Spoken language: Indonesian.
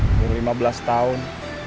umur lima belas tahun